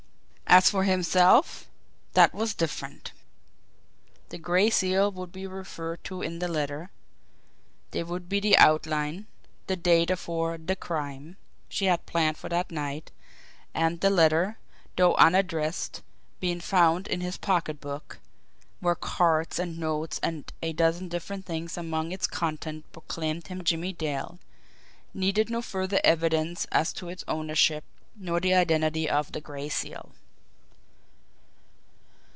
As for himself that was different. The Gray Seal would be referred to in the letter, there would be the outline, the data for the "crime" she had planned for that night; and the letter, though unaddressed, being found in his pocketbook, where cards and notes and a dozen different things among its contents proclaimed him Jimmie Dale, needed no further evidence as to its ownership nor the identity of the Gray Seal.